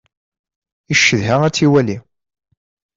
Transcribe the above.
Icedha ad tt-iwali.